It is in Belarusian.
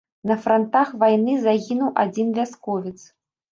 На франтах вайны загінуў адзін вясковец.